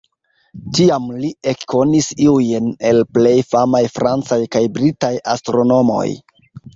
Tiam li ekkonis iujn el plej famaj francaj kaj britaj astronomoj.